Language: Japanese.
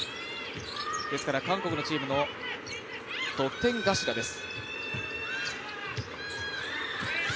ですから韓国のチームの得点頭です。